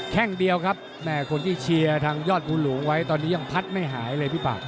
แค่งเดียวครับแม่คนที่เชียร์ทางยอดภูหลวงไว้ตอนนี้ยังพัดไม่หายเลยพี่ปาก